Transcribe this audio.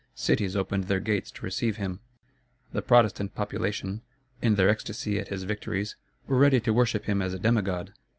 Cities opened their gates to receive him. The Protestant population, in their ecstacy at his victories, were ready to worship him as a demigod.